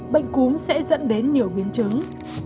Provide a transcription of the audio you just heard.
bệnh cúm sẽ dẫn đến nhiều biến chứng